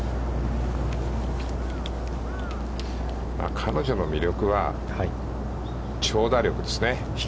彼女の魅力は、長打力ですね。